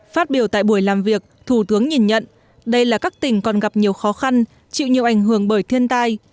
phát biểu tại buổi làm việc thủ tướng nhìn nhận đây là các tỉnh còn gặp nhiều khó khăn chịu nhiều ảnh hưởng bởi thiên tai